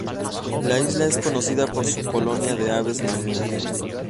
La isla es conocida por su colonia de aves marinas.